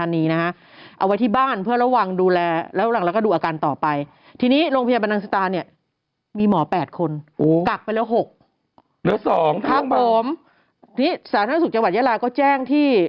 ทีนี้สาธารณสุขจังหวัดยาลาก็แจ้งที่